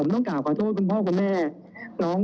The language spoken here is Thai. ผมนึกว่าสลบก็เลยต้องเอาน้ำเพื่อให้เขาตื่นครับเอาผ้ามาเช็ดก่อน